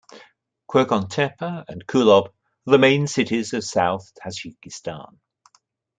Qurghonteppa and Kulob are the main cities of south Tajikistan.